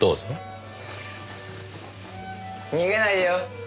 逃げないでよ。